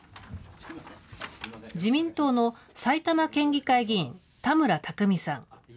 自民党の埼玉県議会議員、田村琢実さん。